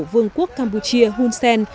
vương quốc campuchia hun sen